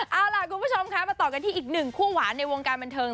เอาล่ะคุณผู้ชมคะมาต่อกันที่อีกหนึ่งคู่หวานในวงการบันเทิง